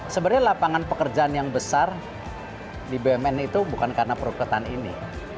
sebenarnya lapangan pekerjaan yang besar di bumn itu bukan karena perekrutan ini